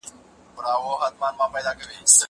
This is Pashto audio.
زه بايد سیر وکړم!